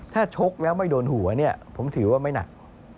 ถ้าชกแล้วไม่โดนหัวเนี่ยผมถือว่าไม่หนัก